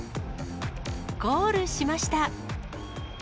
ゴールしました。